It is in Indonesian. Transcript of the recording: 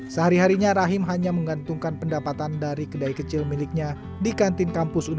sehari harinya rahim hanya menggantungkan pendapatan dari kedai kecil miliknya di kantin kampus